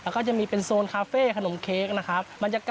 แล้วก็จะมีเป็นโซนคาเฟ่ย์ขนมเค้กนะครับบรรยากาศก็จะบ้านไทยนะครับ